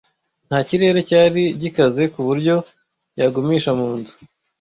Nta kirere cyari gikaze kuburyo yagumisha mu nzu.